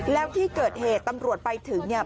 แล้วที่เกิดเหตุตำรวจไปถึงเนี่ย